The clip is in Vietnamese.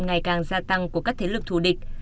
ngày càng gia tăng của các thế lực thù địch